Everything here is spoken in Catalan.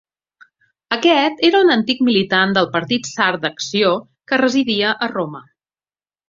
Aquest era un antic militant del Partit Sard d'Acció que residia a Roma.